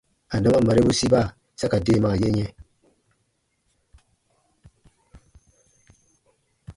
Adama marebu siba sa ka deemaa ye yɛ̃.